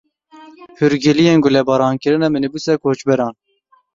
Hûrgiliyên gulebarankirina mînîbûsa koçberan.